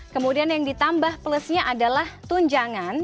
kemudian yang ditambah plusnya adalah tunjangan